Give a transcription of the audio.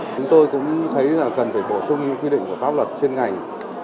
chúng tôi cũng thấy là cần phải bổ sung những quy định của pháp luật chuyên ngành